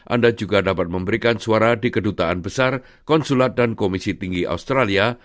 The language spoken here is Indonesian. anda juga dapat memberikan suara di kedutaan besar konsulat dan komisi tinggi australia